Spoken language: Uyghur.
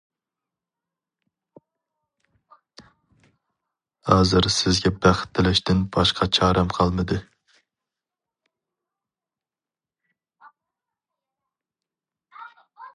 ھازىر سىزگە بەخت تىلەشتىن باشقا چارەم قالمىدى.